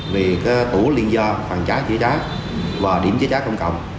vì tổ liên gia phòng cháy chữa cháy và điểm chữa cháy công cộng